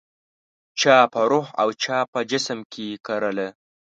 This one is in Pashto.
چا په روح او چا په جسم کې کرله